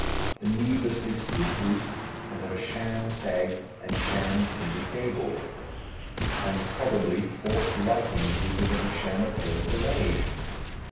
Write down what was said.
The needlessly steep roofs will have a sham sag and sham timbered gables, and probably forced lichens will give it a sham appearance of age.